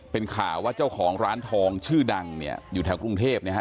เป็นข่าวว่าเจ้าของร้านทองชื่อดังเนี่ยอยู่แถวกรุงเทพนะฮะ